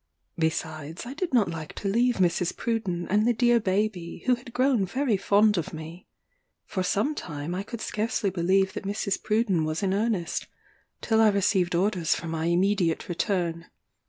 Besides, I did not like to leave Mrs. Pruden, and the dear baby, who had grown very fond of me. For some time I could scarcely believe that Mrs. Pruden was in earnest, till I received orders for my immediate return.